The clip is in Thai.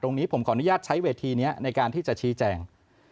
ตรงนี้ผมขออนุญาตใช้เวทีนี้ในการที่จะชี้แจง